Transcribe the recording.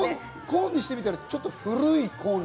コーンにしてみたら、ちょっと古いコーン。